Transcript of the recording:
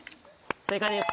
正解です。